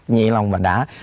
nhẹ lòng mà đã